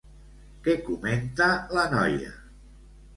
Què comenta la noia?